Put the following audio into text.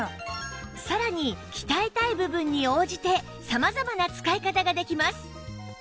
さらに鍛えたい部分に応じて様々な使い方ができます